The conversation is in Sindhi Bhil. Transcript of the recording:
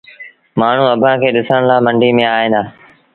مآڻهوٚٚݩ آݩبآݩ کي ڏسڻ لآ منڊيٚ ميݩ ائيٚݩ دآ۔